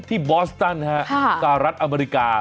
ที่บอสตานค่ะกรรษอเมริกา